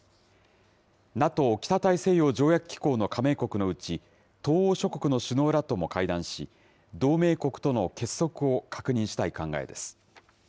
ＮＡＴＯ・北大西洋条約機構の加盟国のうち、東欧諸国の首脳らとも会談し、同盟国との結束を確認したい考えです。